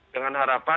dengan harapan kan